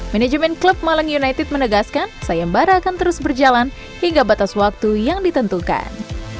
manajemen klub malang united menegaskan sayembara akan terus berjalan hingga batas waktu yang ditentukan